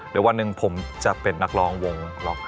วู่หูยผมก็แบบ